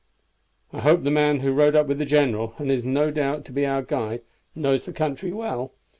"I hope the man who rode up with the general, and is no doubt to be our guide, knows the country well.